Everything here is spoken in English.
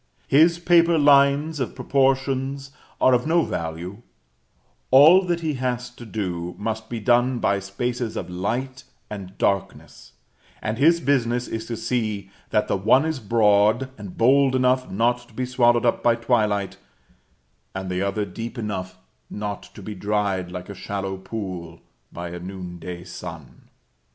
His paper lines and proportions are of no value: all that he has to do must be done by spaces of light and darkness; and his business is to see that the one is broad and bold enough not to be swallowed up by twilight, and the other deep enough not to be dried like a shallow pool by a noon day sun.